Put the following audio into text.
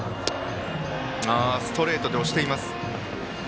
ストレートで押しています。